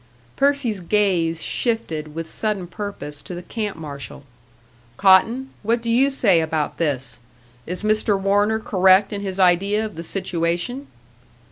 Percy's gaze shifted with sudden purpose to the camp marshal. "Cotton, what do you say about this? Is Mr. Warner correct in his idea of the situation?"